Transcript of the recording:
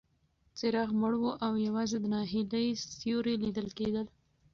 څراغ مړ و او یوازې د ناهیلۍ سیوري لیدل کېدل.